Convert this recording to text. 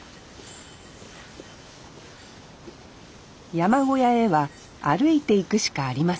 山小屋へは歩いて行くしかありません。